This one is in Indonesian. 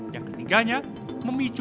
yang ketiganya memicu